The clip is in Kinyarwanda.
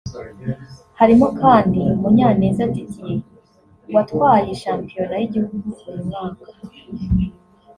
Harimo kandi Munyaneza Didier watwaye shampiyona y’igihugu uyu mwaka